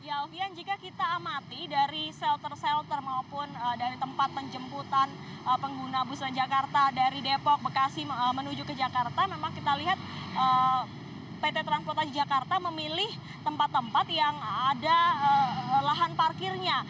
ya alfian jika kita amati dari shelter shelter maupun dari tempat penjemputan pengguna bus transjakarta dari depok bekasi menuju ke jakarta memang kita lihat pt transportasi jakarta memilih tempat tempat yang ada lahan parkirnya